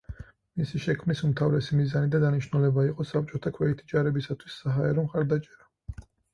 მისი შექმნის უმთავრესი მიზანი და დანიშნულება იყო საბჭოთა ქვეითი ჯარებისათვის საჰაერო მხარდაჭერა.